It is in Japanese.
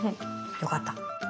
良かった。